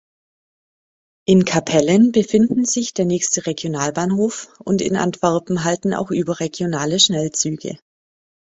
In Kapellen befinden sich der nächste Regionalbahnhof und in Antwerpen halten auch überregionale Schnellzüge.